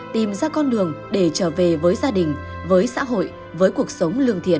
tìm ra con đường để trở về với gia đình với xã hội với cuộc sống lương thiện